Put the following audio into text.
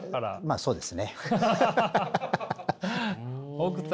まあそうですね。